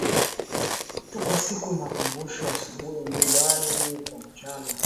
tu kwa siku makumbusho asubuhi nyumbani kwa mchana